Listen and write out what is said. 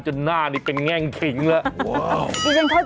ใช้เมียได้ตลอด